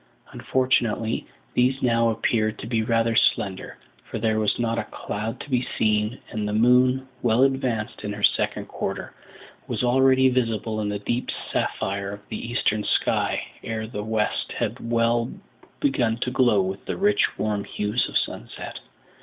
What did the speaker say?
Unfortunately, these now appeared to be rather slender; for there was not a cloud to be seen, and the moon, well advanced in her second quarter, was already visible in the deep sapphire of the eastern sky ere the west had well begun to glow with the rich warm hues of sunset.